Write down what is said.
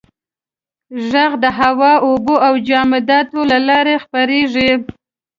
• ږغ د هوا، اوبو او جامداتو له لارې خپرېږي.